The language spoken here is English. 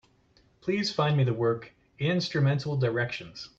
Please find me the work, Instrumental Directions.